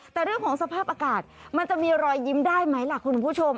แต่เรื่องของสภาพอากาศมันจะมีรอยยิ้มได้ไหมล่ะคุณผู้ชม